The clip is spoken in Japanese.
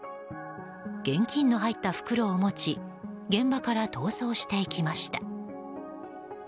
現金の入った袋を持ち現場から逃走していきました。